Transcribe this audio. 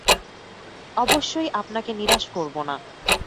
অবশ্যই আপনাকে নিরাশ করবো না।